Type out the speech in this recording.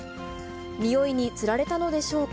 匂いにつられたのでしょうか。